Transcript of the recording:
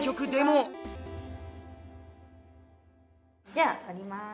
じゃあ取ります。